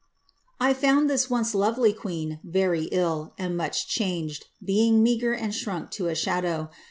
^ I found this once lovely queen very ill, and much changed, being meagre and shrunk to a shadow.